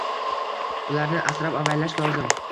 Ularni asrab-avaylash lozim.